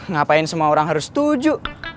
ngapain semua orang harus setuju